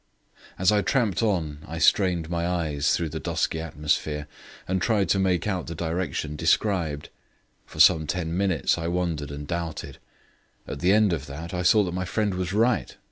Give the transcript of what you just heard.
As I tramped on I strained my eyes through the dusky atmosphere and tried to make out the direction described. For some ten minutes I wondered and doubted; at the end of that I saw that my friend was right.